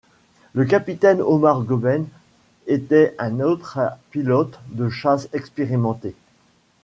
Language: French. Le capitaine Omar Goben était un autre pilote de chasse expérimenté.